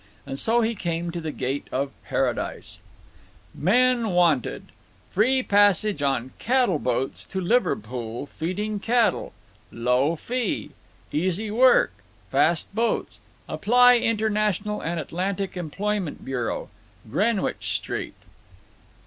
And so he came to the gate of paradise: MEN WANTED. Free passage on cattle boats to Liverpool feeding cattle. Low fee. Easy work. Fast boats. Apply International and Atlantic Employment Bureau,—Greenwich Street.